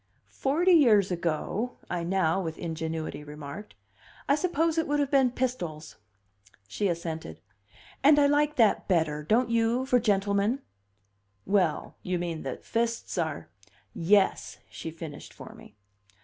"Forty years ago," I now, with ingenuity, remarked, "I suppose it would have been pistols." She assented. "And I like that better don't you for gentlemen?" "Well, you mean that fists are " "Yes," she finished for me.